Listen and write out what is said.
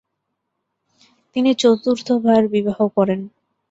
তিনি চতুর্থবার বিবাহ করেন।